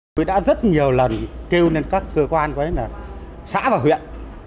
chúng ta đã rất nhiều lần kêu đến các cơ quan của ấy là xã và huyện